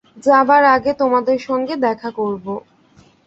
যাবার আগে তোমাদের সঙ্গে দেখা করব।